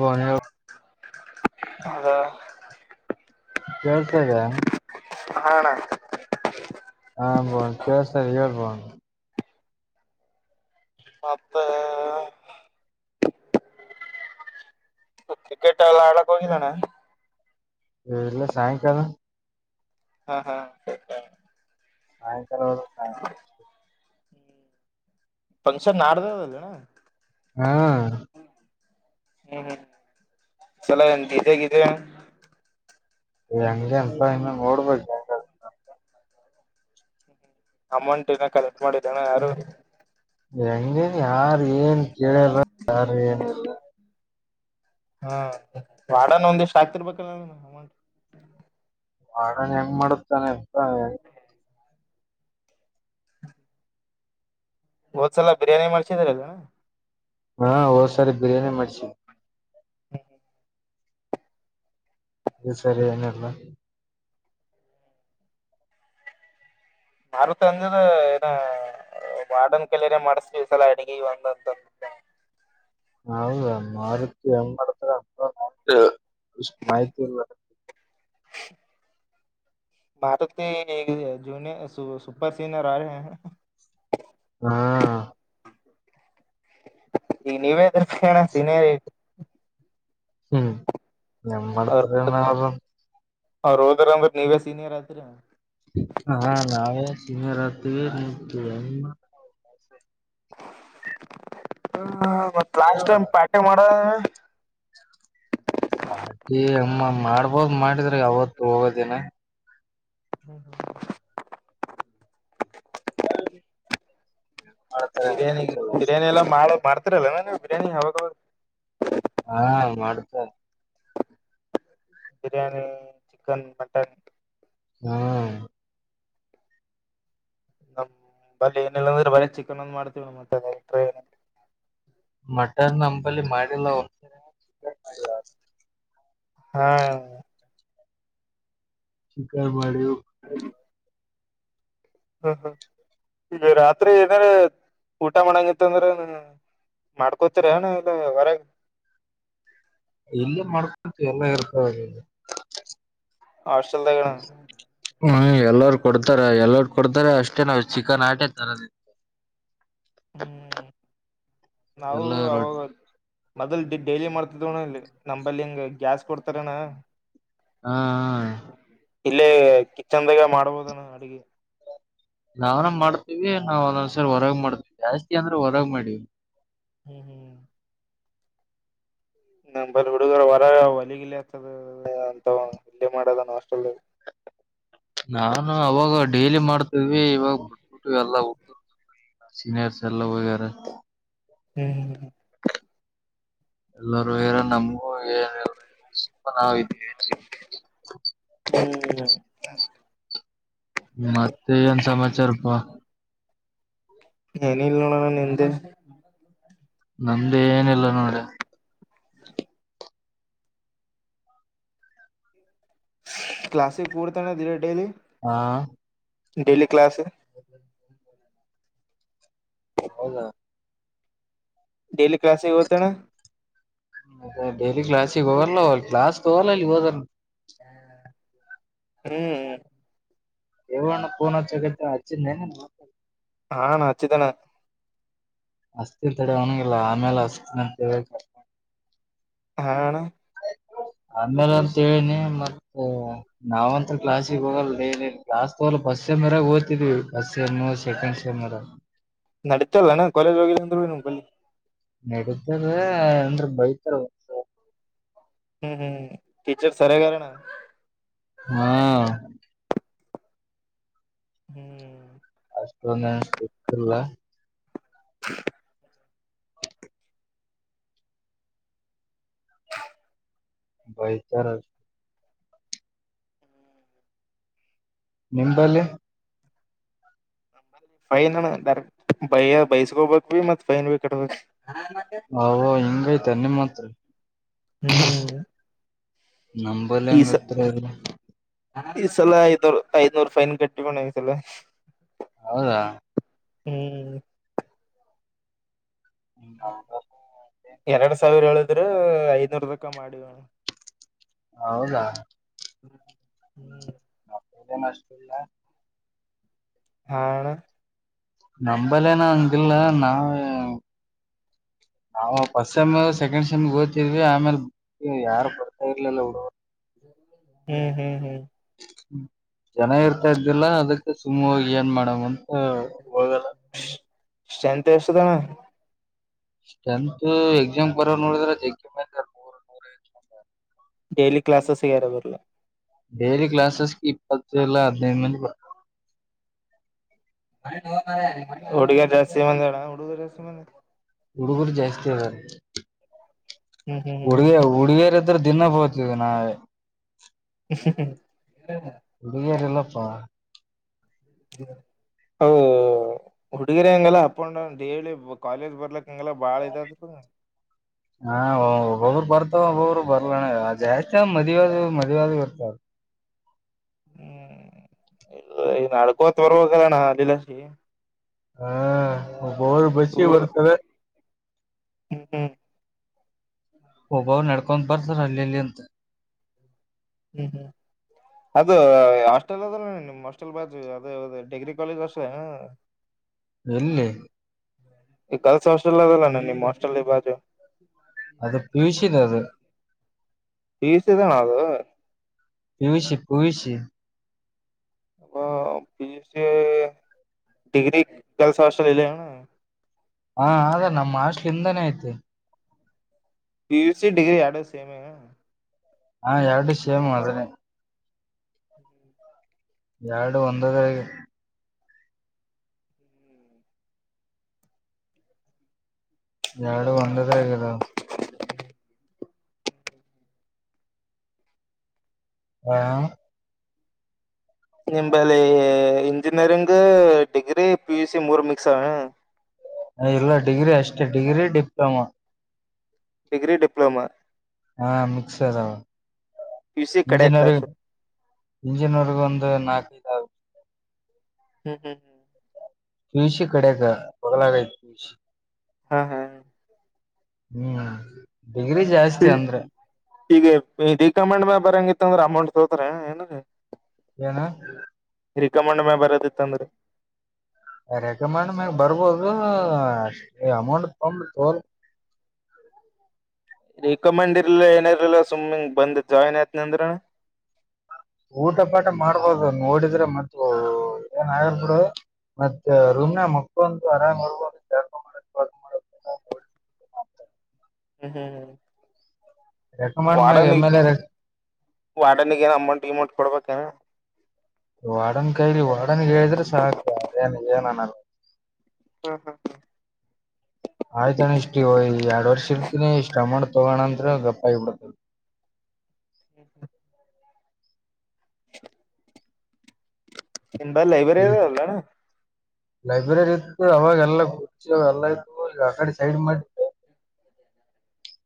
ಗೋರೆಯೊ ಹೌದ ಕೆಳಸ್ತಾ ಇದೆಯಾ. ಹಾ ಅಣ್ಣಾ. ಹಾ ಭುವನ್ ಕೇಳಸ್ತ ಹೇಳ್ ಭುವನ್. ಮತ್ತ ಮತ್ತ್ ಕ್ರಿಕೆಟ್ ಎಲ್ಲ ಆಡಕ್ ಹೋಗಿದಿ ಅಣ್ಣಾ. ಏ ಇಲ್ಲ ಸಾಯಂಕಾಲ. ಹಾ ಹಾ ಸಾಯಂಕಾಲ ಹೋಬೆಕ್ ಸಾಯಂಕಾಲ. ಫಂಕ್ಷನ್ ನಾಡ್ದೆ ಅದ ಅಲಾ ಅಣ್ಣಾ. ಹ್ಮ.. ಹ್ಮ್ ಹ್ಮ್ ಚಲ ಎಂತ ಇದಿದ್ದೆಗಿದೆ.. ಹೆಂಗ್ಲಿ ಅನ್ಸ ಇನ್ನು ನೋಡ್ಬೇಕುಂಗ.. ಅಮೌಂಟ್ ನ ಕಲೆಕ್ಟ್ ಮಾಡಿದ್ದಣ ಯಾರು.. ಹೆಂಗೇನ್ ಯಾರು ಏನ್ ಕೇಳಾರ ಯಾರ ಏನ್.. ಹಾ ವಾಡಾನ ಒಂದಿಷ್ಟ ಆಗ್ತಿರ್ಬೇಕಲ್ಲ ಅಮೌಂಟ್.. ಮಾಡಾಡಣ ಹೆಂಗ್ ಮಾಡುತ್ತಾನೆ ಇಪ್ಪ.. ಹೋದ್ಸಲ ಬಿರಿಯಾನಿ ಮಾಡ್ಸಿದ್ರ ಅಲ್ಲನ.. ಹಾ ಸಾರಿ ಬಿರಿಯಾನಿ ಮರ್ಚಿ.. ಹ್ಮ ಹ.. ಇದು ಸರಿಯನಲ್ಲ.. ಮಾರುತಿ ಅಂದನ ಏ ಇದಾ. ಅ ವಾರ್ಡನ್ ಕೈಲೆರೆ ಮಾಡಸ್ರಿ ಈ ಸಲಾ ಅಡಗಿ ಒಂದ ಹೊತ್ತ ಹೌದ ಮಾರುತಿ ಹೆಂಗ್ ಮಾಡ್ತರ ಏನೋ ಪಾ. ಹ್ ಮಾಹಿತಿ ಇಲ್ಲ. [inaudible] ಭಾರತ ಜೂನಿಯ ಸಪರ್ ಸೀನಿಯರ್ ಆರ.. ಹಾ.. ಈ ನೀವೇದ್ರ ಕಷಣ ಸಿನೇರಿ.. ಹ್ಮ್ ನಮ್ಮಡತ್ರ.. ಅವ ರ ಹೋಗರ್ ಅಂದ್ರೆ ನೀವೇ ಸೀನಿಯರ್ ಆಯತ್ರಿ.. ಹಾ ನಾವೇ ಸಮರ್ ಹತೀವಿ ನಿ.. ಹ ಮತ್ ಲಾಸ್ಟ್ ಟೈಮ್ ಪಾರ್ಟಿ ಮಾಡ.. [inaudible] ಪಾರ್ಟಿ ಅಮ್ಮ ಮಾಡ್ಬೋದ ಮಾಡಿದ್ರ ಯಾವತ್ತು ಹೋಗೋದಿನ.. ಹ್ಮ. ಹೌ. ಬಿರಿಯಾನಿ ಬಿರಿಯಾನಿ ಎಲ್ಲ ಮಾಡ ಮಾಡ್ತಿರಲ್ಲ ನ ನೀವು ಬಿರಿಯಾನಿ ಅವಾಗವಾಗ.. ಹಾ ಮಾಡತ. ಬಿರಿಯಾನಿ ಚಿಕನ್ ಮಟನ್.. ಹ್ಮ. ನಮ ಬಳ ಏನಿಲ್ಲಂದ್ರೆ ಬಳಿ ಚಿಕನ್ ಒಂದ್ ಮಾಡ್ತೀವಿ ನ ಮತ್ತೆ ಅಟಏ.. ಮಟನ್ ನಂಬಲ್ಲಿ ಮಾಡಿಲ್ಲ ಒ.. ಹಾ. ಶೀಕಾರ ಮಾಡ.. ಹ್ಮ.. ಹ್ಮ ಹ್ಮ್ ಈಗ ರಾತ್ರಿ ಏನಾರ ಊಟ ಮಾಡಂಗತ್ತ ಅಂದ್ರೆ.. ಮಾಡ್ಕೋತೀರ ಏನ ಇಲ್ಲ ಹೊರಗೆ.. ಇಲ್ಲೇ ಮಾಡ್ಕೊತಿ ಎಲ್ಲ ಇರ್ತವೆಲ್ಲಿ.. ಆಶಲ್ದಗಣ.. ಹ್ಮ್ ಎಲ್ಲಾರ ಕೊಡ್ತಾರ ಎಲ್ಲರು ಕೊಡ್ತಾರ ಅಷ್ಟೇ ನಾವವು ಚಿಕನ್ ಆಟೆ ತರದ... ಹ್ಮ್ ನಾವು ಎಲ್ಲ ರೊಟ್ಟಿ ಅವಾಗದು.. ಮೊದಲ್ ಡೈಲಿ ಮಾಡ್ತಿದ್ವಣ್ಣ ನಂಬಲ್ಲಿ ಹಿಂಗ ಗ್ಯಾಸ್ ಕೊಡ್ತಾರಣ್ಣ.. ಹಾ.. ಇಲ್ಲೇ ಕಿಚನ್ದಾಗ ಮಾಡ್ಬೋದಾನ ಅಡಗೆ.. ನಾವನ್ ಮಾಡ್ತೇವಿ ನಾವ್ ಒಂದೊಂದ್ಸರಿ ಹೊರಗ ಮಾಡ್ತೀವಿ ಜಾಸ್ತಿ ಅಂದ್ರೆ ಹೊರಗ್ ಮಾಡೀವಿ.. ಹ್ಮ್ ಹ್ಮ್.. ನ ಬರ ಹುಡುಗರ ಹೊರ ಹೊಲಿಗಲ್ಲಿ ಆತದ ಅಂತ ಇಲ್ಲೇ ಮಾಡದ ಅಸ್ಟೆಲ್.. ನಾನು ಅವಾಗ ಡೈಲಿ ಮಾಡ್ತಿದ್ವಿ ಇವಾಗ ಬಿಟ್ಬಿಟ್ಟ ಎಲ್ಲ ಹೋಗತಿರ್.. ಸೀನಿಯರ್ ಸ ಎಲ್ಲ ವೇರ.. ಹ್ಮ್ ಹ್ಮ್.. ಎಲ್ಲಾರೂ ಹೇರ ನಮಗೂ ಏನಲ್ಲುಪ ನಾವ ಇದ್ವಿ [inaudible] [unintelligible] ಹ್ಮ್ [inaudible] ಮತ್ತೆ ಏನ್ ಸಮಾಚಾರಪ್ಪಾ,, ನ ಇಲ್ಲಣ ನನ್ ಎಂದ [inaudible] ನಮ್ದೇ ಏನಿಲ್ಲ ನೋಡು, - ಕ್ಲಾಸಿ ಪೂರ್ತಾನ ದೀರ ಡೈಲಿ [unintelligible] ಹಾ, ಡೇಲಿ ಕ್ಲಾಸ್, ಹೌದಾ,, ಡೆಲಿ ಕ್ಲಾಸಿಗೆ ಹತನಾ.. ಲಿ ಗ್ಲಾಸ್ಗೆ ಹೋಗರ್ಲ ಗ್ಲಾಸ್ ತಗೋ ಅ ಹೋದರ್.. ಹ್ಮ್, ದೇವು ಅಣ್ಣ ಪೋನ ಅಚಕತನ ಅಚಿದ್ನೇನ ನಿನಗೆ. ಹಾ, ಅಣ್ಣಹಚ್ಚಿದನೆ. ಅಸ್ತಿ ತಡೆ ಅವನುಇಲ್ಲ ಆಮೇಲೆ ಹಸ್ತಿನಂತೇಹೇಳ, ಹಾ, ಅಣ್ಣಾ, ಆಮೇಲೆ ಅಂತಂತೇಳಿನಿ ಮತ್ತ ನಾವಂತ ಕ್ಲಾಸಿಗೆ ಹೋಗಲ್ಲ. ಡೈಲಿ ಕ್ಲಾಸ್ ತಗಲ್ಲ first ಮರಾಗ [unintelligible] ಓದ್ತಿದ್ವಿ first sem second sem ನಡಿತಲ್ಲಣ್ಣ ಕಾಲೇಜ್ ಹೋಗಿಲ್ಲ ಅಂದ್ರುನುನಮ್ ಬಲ್ಲಿ. ನಡಿತದ ಅಂದ್ರೆ ಬೈತರ, - ಹ್ಮ್, ಹ್ಮ್ ಟೀಚರ್ ಸರಾಗಿ ಆರಣ. ಹಾ, ಹ್ಮ್, ಷ್ಟ ಸಿಲ್ಲ [unintelligible] ಹ್ಮ್, [inaudible] ಬೈತಾರ, ನಿಂಬಲ್ಲಿ ಫೈನ್ ಅಣ್ಣ ಡೈರೇಕ್ಟ ಬೈಸ್ಕೋಬೇಕ್ ಮತ್‌ ಫೈನ್ ಬಿ ಕಟ್ಬೇಕ. ಹ ಹಿಂಗೈ್ತೆ ನಿಮ್ಮ ಹತ್ರ, ಹ್ಮ್ ನಂಬಲ್ಲಂಗತ್ರ [unintelligible] ಈಸಲ ಐದನೂರು, ಐದನೂರು ಫೈನ್ ಕಟ್ಟಿ ಬಂದಿನ ಈ ಸಲ. ಹೌದಾ, ಹ್ಮ್, ಹ್ಮ ಹೌದ [inaudible] ಎರಡ್ ಸಾವಿರ ಹೇಳಿದ್ರ ಐದನೂರದಕ ಮಾಡಿವಣ್ಣ. ಹೌದಾ, ಹ್ಮ್ [inaudible] ಈಗ ಎನ್ ಅಸ್ಟಿಲ್ಲಾ, ಹ [unintelligible] ನಂಬಲ್ಲೇ ನಾ ಅಂಗಿಲ್ಲ ನಾವ್, [unintelligible] ನಾವು ಫಸ್ಟ್ ಸೆಮ್, ಸೆಕೆಂಡ್ ಸೆಮ್ ಓಡತಿದ್ವಿ ಆಮೇಲೆ ಯಾರು ಬರ್ತಾ ಇರ್ಲಿಲ್ಲ ಹುಡುಗರು. - ಹ್ಮ್, ಹ್ಮ್, ಹ್ಮ್ ಜನ ಇರ್ತಾ ಇದ್ದಿಲ್ಲ ಅದಕ್ಕೆ ಸುಮ್ಮ ಏನ್ ಮಾಡಮ್ ಅಂತ ಹೋಗ ಸ್ಟೆಂತ್ ಎಷ್ಟದಾವೇನ. ಸ್ರ್ಟೆಂತ್ ಎಕ್ಸಾಮ್ ಬರೋ ನೋಡಿದ್ರ ಜ ಕೆ ಮ [unintelligible] ನ ನೂರ ಎ ಡೇಲಿ ಕ್ಲಾಸಸ್ಗೆ ಯಾರು ಬರಲ್ಲ. ಡೈಲಿ ಕ್ಲಾಸಸ್ ಕ ಇಪ್ಪತ್ತು ಇಲಲ್ಲ ಹದಿನೈದು ಮಂದ ಬರ್ತಾರೆ. ಹುಡುಗಿಯ ಜಾಸ್ತಿ ಮಂದಿ ಅದರ ಹುಡುಗ ಜಾಸ್ತಿ ಮಂದಿ ಅದರ. ಹುಡುಗುರು ಜಾಸ್ತಿ ಅದಾರೆ ಹ್ಮ್ ಹ್ಮ್ ಹುಡುಗಿಯ ಹ್ಮ್ ಹುಡುಗಿಯರತ್ರ ದಿನ ಫೋನ್ ಅಚ್ಚ ನ. ಹ್ಮ್ ಹ್ಮ ಬಿಗರ ಎಲ್ಲಪ್ಪಾ. ಹುಡುಗಿರ ಹಂಗಲ್ಲ ಅಪ್ಪಂಡೌನ್ ಕಾಲೇಜ್ ಬರ್ಲಕ್ಕ. ಹಾ ಹಬರು ಪತ ಒಬ್ಬರು ಬರ್ಲೋಣ ಜಾಸ್ತಿ ಮದುವೆಯದು ಮದುವೆಯದು ಇರ್ತ. ಹ್ಮ್ ಇಲ್ಲ ನಡ್ಕೋತ್ ವರ್ವಾಗಲ್ಲಣ್ಣ ಅಲ್ಲಿಂದ ಆಚಿ. ಹ್ಮ [unintelligible] ದೂರ ಬರ್ತವೆ ಹ್ಮ್ ಹ್ಮ ಒಬ್ಬವ್ರು ನಡ್ಕೊಂಡ್ ಬರ್ತಾರ ಅಲ್ಲಿಲ್ಲಿ ಅಂತೆ- ಹ್ಮ್, ಹ್ಮ್ ಅದು ಹಾಸ್ಟೆಲ್ ಅದ ನಿಮ್ ಹಾಸ್ಟೆಲ್ ಬಾಜ ಅದ ಡಿಗ್ರಿ ಕಾಲೇಜ್ ಅಷ್ಟೇ. ಎಲ್ಲಿ. ಈ ಕಲ್ಸ ಹಸ್ಟೆಲ್ಲ್ಲಲ್ಲ ನ ನಿಮ್ಮ ಮ ಹಸ್ಟಲ್ ಇ ಬಾಜು. ಅದು ಪೀಸಿನ ಅದು. ಈಸದ ನದು. PUC PUC. ಹ ಪಿಯುಸಿ ಡಿಗ್ರಿ ಕಲ್ಸ ಹಾಸ್ಟೆಲ್ ಯಲ್ಲಿ ಇಲೆವನ. ಹಾ ಅದ ನಮ್ಮ ಆಸ್ಲಿಂದಾನೇ ಆಯ್ತಿ. ಪಿಯುಸಿ ಡಗ್ರಿ ಎಡೋ ಸೇಮ. ಹಾ ಎರಡು ಶೇಮ ಆದ್ರೆ. ಎರಡು ಒಂದದ್ರಗೆ. ಎರಡು ಒಂದದ್ರಗದವ. ಹಾ. ನಿಂಬಲ್ಲಿ ಇಂಜಿನಿಯರಿಂಗ್ ಡಿಗ್ರಿ. ಪಿಯುಸಿ ಮೂರು ಮಿಕ್ಸ್ ಅದವನ. ಎಲ್ಲ ಡಿಗ್ರಿ ಅಷ್ಟೇ ಡಿಗ್ರಿ ಡಿಪ್ಲೊಮಾ. Degree diploma. ಹಾ ಮಿಕ್ಸ್ ಅದವ. ಪಿ ಯು ಸಿ ಕಡೆಯಕ್ಕ ಇಂಜಿನಿಯರಿ ಹ್ಮ್ ಇಂಜಿನಿಯರ್ ಒಂದು ನಾಕೈದು. ಹ್ಮ್ ಹ್ಮ್ ಹ್ಮ್ ತುಳಸಿ ಕಡೆಗ ಬದಲಾಗಯ ತುಳಸಿ. ಹಾ ಹಾ ಹ್ಮ್ ಡಿಗ್ರಿ ಜಾಸ್ತಿ ಅಂದ್ರೆ. ಈಗಿ ಡಿ ಕಮಂಡ್ ಮ ಬರಂಗಿತ್ತು ಅಂದ್ರೆ ಅಮೌಂಟ್ ತೋತ್ರ ಏನಾದರೂ. ಏನ ರಿಕಮಂಡ್ ಮೇ ಬರದಿತ್ತಂದ್ರೆ. ರೆಕಮೆಂಡ್ ಮ್ಯಾಗ ಬರ್ಬೋದು ಅಷ್ಟ ಅಮೌಂಟ್ ತಂಬ ತೋಲ್. ರಿಕಮೆಂಡ್ ಇರ್ಲಿಲ್ಲ ಏನ ಇರಲಿಲ್ಲ ಸ್ಮ್ಮಿಂಗ್ ಬಂದ್ ಜಾಯಿನ್ ಆಯತನಂದ್ರನ. ಊಟ ಪಾಠ ಮಾಡ್ಬೋದು ನೋಡಿದ್ರೆ ಮತ್ತೆ. ಏನ್ ಆಗಲ್ಲ ಬಿಡು ಮತ್ತೆ ರೂಮ್ ನ ಮಕ್ಕಳೊಂದು ಆರಾಮ್ ಇರ್ಬೋದು ಜಾಪ ಮಾಡ. [unintelligible] ಹ್ಮ್ ಹ್ಮ್ ಹ್ಮ್ ರೆಕಮಾಂಡ್ ಮಗೆ ಎಮ ಎಲ್ ಎ. ವಾಡನಗ ಏನ ಅಮೌಂಟ್ ಗಿಮೌಂಟ್ ಕೊಡ್ಬೇಕೇನ. ವಾರ್ಡನ್ ಕೈಲಿ ವಾರ್ಡನ್ಗೆ ಹೇಳಿದ್ರೆ ಸಾಕು ಏನ್ [unintelligible] ಹ್ಮ ಹ್ಮ್ ಹ್ಮ ಆಯ್ತಣ್ಣ ಇಷ್ಟ್ ಎರಡ್ ವರ್ಷ ಇರ್ತೀನಿ ಇಷ್ಟ ಅಮೌಂಟ್ ತಗೋಣ ಅಂದ್ರ ಗಪ್ಪ ಆಗಿಬಿಡತದ. ಹ್ಮ್ ಹ್ಮ್ ಇನ್ ಬ ಈ ಲೈಬ್ರರಿದಲ್ಲ. ಲೈಬ್ರರಿ ಇತ್ತು ಅವಾಗೆಲ್ಲ ಕುರ್ಚಾಗ ಎಲ್ಲಾ ಇತ್ತು ಆಕಡೆ ಸೈಡ್ ಮಾಡ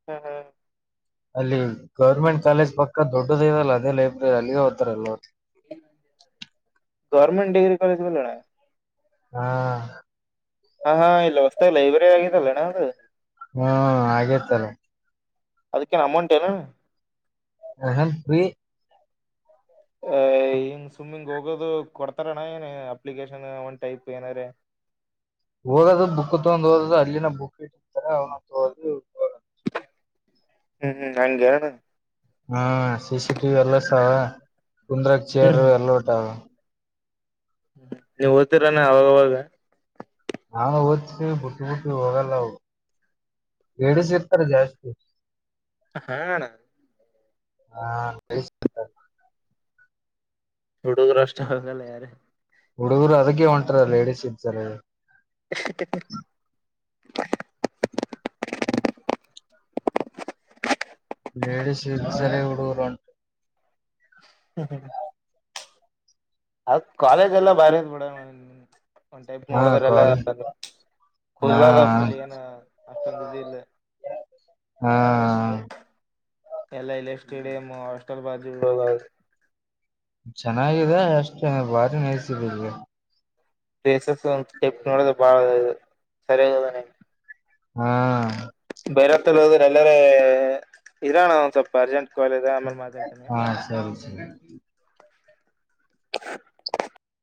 ಹ್ಮ ಹ್ಮ ಅಲ್ಲಿ ಗೌರ್ಮೆಂಟ್ ಕಾಲೇಜ್ ಪಕ್ಕ ದೊಡ್ಡದ ಇಲ್ಲ ಅದೇ ಲೈಬ್ರರಿ ಅಲ್ಲಿಗೆ ಹೋರಲ್ವ ಗರ್ಮೆಂಟ್ ಡಿಗ್ರಿ ಕಾಲಜಗಳುಲ್ಲಡ ಹಾ ಹಾ ಹಾ ಇಲ್ಲ ಹೊಸ್ತೇಲ್ಲ ಲೈಬ್ರರಿ ಆಗಿದ್ದಲ್ಲೇ ನಾ್ದು ಹ್ಮ ಹಾಗೇತಾರೆ ಅದಕ್ಕೇನು ಅಮೌಂಟ್ ಏನು ಅ ಅ ಹಂಗ ಸುಮ್ಮಿಂಗ್ ಹೋಗೋದು ಕೊಡ್ತಾರಣ ಏನ ಅಪ್ಲಿಕೇಶನ್ ಒನ್ ಟೈಪ್ ಏನಾರ. ಹೋಗೋದು ಬುಕ್ ತಗೊಂಡ್ ಹೋದದು ಅಲ್ಲಿನ ಬುಕ್ ಇಟ್ಟಿರ್ತಾರೆ ಅವ್ನ ತಗೋದು. ಹ್ಮ್ ಹ್ಮ್ ಹಗೆಣ ಹಾ ಸಿ ಸಿ ಟಿ ಎಲ್ಲಸ ಕುಂದ್ರಕ್ ಚೇರ್ ಎಲ್ಲ ಊಟ ಹ್ಮ ನೀವ್ ಓದತಿರಾನ ಅವಾಗವಾಗ ನ ಹಚ್ಚಿ ಬುಟಿ ಬುಟಿ ಹೋಗಲ್ಲ ಎಡಿ ಸಿ ಇತಾರೆ ಜಾಸ್ತಿ ಹಾ ಹಾ ಕ ರಷ್ಟ ಹಗಲ್ಲ ಯಾರ ಹುಡುಗರು ಅದಕ್ಕೆ ಹೊಂಟಾರ ಲೇಡಿಸಸ್ ಇರ್ತಾರೆ [unintelligible] ಲಡೀಸ್ ಇ ಸರ ಹಡುಗರು ಅಂಟ ಹ್ಮ್ ಹ್ಮ್ ಅದ ಕಾಲೇಜ್ ಎಲ್ಲಾ ಬಾರಿ ಮೇಡಮ್ ಒಂದ್ ಟೈಪ್ ಹಾ ನೋಡದ್ರ ಎಲ್ಲ ಕಾಲ್ ಹಾ ಫುಲ್ಲ್ ಫುಲ್ ಏನ ಅಷ್ಟೊಂದ ಇ ಇಲ್ಲ ಹಾ ಎಲ್ಲ ಇಲೆಕ್ ಸ್ಟೇಡಿಯಂ ಹಾಸ್ಟೆಲ್ ಬಾಜು ಚೆನ್ನಾಗಿದೆ ಅಷ್ಟೇ ಬಾರಿ ನಯಸಿದ ರೇಸ ಒ ಟೈಪ್ ನೋಡದು ಬಾಳ ಸರಿದ ಹಾ ಬೈರತ್ತಲ್ಲಿ ಹೋದ್ರ ಎಲ್ಲಾರ ಇರೋಣ ಒಂದ ಸ್ವಲ್ಪ ಅರ್ಜೆಂಟ್ ಕಾಲ್ ಆಮೇಲೆ ಮಾತಾಡ್ತೇನಿ. ಹಾ ಸರಿ ಸರಿ [unintelligible]